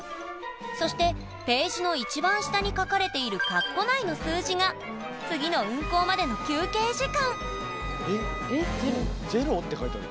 そしてページの一番下に書かれているカッコの中の数字が次の運行までの休憩時間えっ０って書いてある。